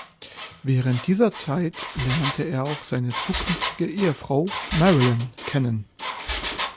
Während dieser Zeit lernte er auch seine zukünftige Ehefrau Marilyn kennen.